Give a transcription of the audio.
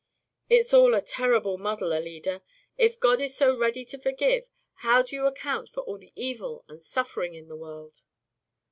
"It's all a terrible muddle, Alida. If God is so ready to forgive, how do you account for all the evil and suffering in the world?"